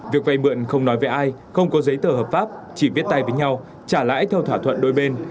việc vay mượn không nói về ai không có giấy tờ hợp pháp chỉ viết tay với nhau trả lãi theo thỏa thuận đôi bên